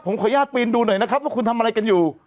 ผมขออนุญาตปีนดูหน่อยนะครับว่าคุณทำอะไรกันอยู่